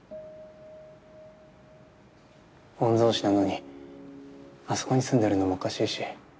御曹司なのにあそこに住んでるのもおかしいし。